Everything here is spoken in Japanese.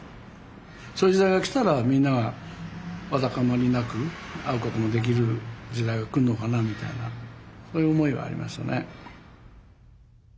そういう時代がきたらみんながわだかまりなく会うこともできる時代がくるのかなみたいなそういう思いはありましたね。